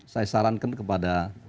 saya sarankan kepada